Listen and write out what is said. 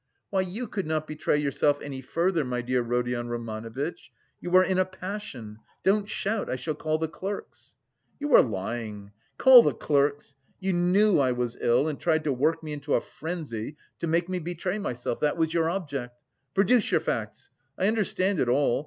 "Why, you could not betray yourself any further, my dear Rodion Romanovitch. You are in a passion. Don't shout, I shall call the clerks." "You are lying! Call the clerks! You knew I was ill and tried to work me into a frenzy to make me betray myself, that was your object! Produce your facts! I understand it all.